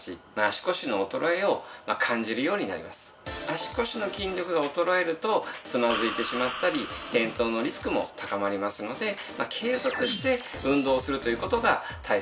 足腰の筋力が衰えるとつまずいてしまったり転倒のリスクも高まりますので継続して運動するという事が大切だと思います。